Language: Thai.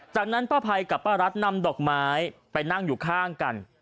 จากนั้นป้าภัยกับป้ารัฐนำดอกไม้ไปนั่งอยู่ข้างกัน